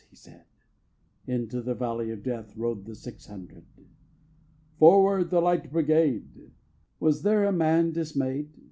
he said: Into the valley of Death Rode the six hundred. 2. "Forward, the Light Brigade!" Was there a man dismay'd?